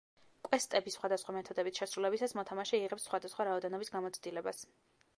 კვესტების სხვადასხვა მეთოდებით შესრულებისას მოთამაშე იღებს სხვადასხვა რაოდენობის გამოცდილებას.